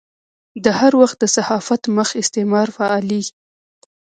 د هر وخت د صحافت مخ استعمار فعالېږي.